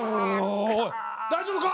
大丈夫か！？